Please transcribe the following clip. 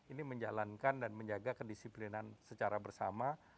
ini menjalankan dan menjaga kedisiplinan secara bersama